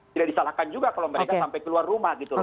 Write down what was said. tidak disalahkan juga kalau mereka sampai keluar rumah gitu loh